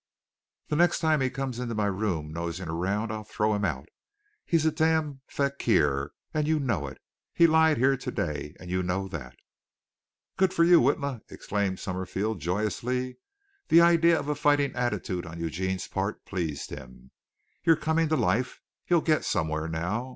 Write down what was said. The next time he comes into my room nosing about I'll throw him out. He's a damned fakir, and you know it. He lied here today, and you know that." "Good for you, Witla!" exclaimed Summerfield joyously. The idea of a fighting attitude on Eugene's part pleased him. "You're coming to life. You'll get somewhere now.